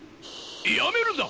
やめるんだ！